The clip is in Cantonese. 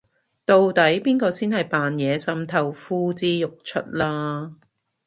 到底邊個先係扮嘢滲透呼之欲出啦